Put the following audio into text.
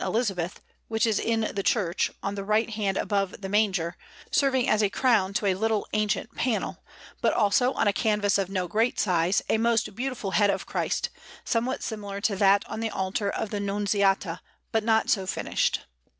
Elizabeth, which is in the church, on the right hand above the Manger, serving as a crown to a little ancient panel, but also, on a canvas of no great size, a most beautiful head of Christ, somewhat similar to that on the altar of the Nunziata, but not so finished.